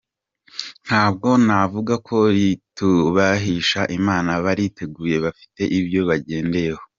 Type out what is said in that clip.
Ntabwo navuga ko ritubahisha Imana, abariteguye bafite ibyo bagendeyeho.